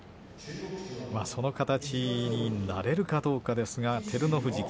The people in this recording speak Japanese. その形になれるかどうか遠藤。